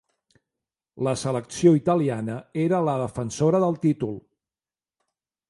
La selecció italiana era la defensora del títol.